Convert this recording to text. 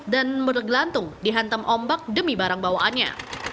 dan bergelantung dihantam ombak demi barang bawaannya